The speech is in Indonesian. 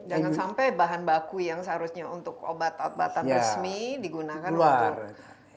jangan sampai bahan baku yang seharusnya untuk obat obatan resmi digunakan untuk